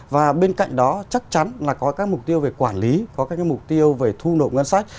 và bên cạnh đó chắc chắn là có các mục tiêu về quản lý có các mục tiêu về thu nộp ngân sách